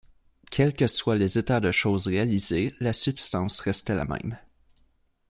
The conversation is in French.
Quels que soient les états de choses réalisés, la substance reste la même.